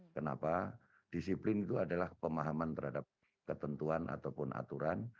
kenapa disiplin itu adalah pemahaman terhadap ketentuan ataupun aturan